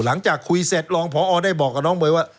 หลังจากคุยเสร็จรองพอได้บอกกับน้องเมย์ว่า